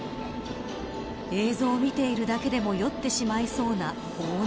映像を見ているだけでも酔ってしまいそうな大波。